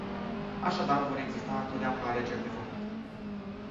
Așadar vor exista întotdeauna alegeri de făcut.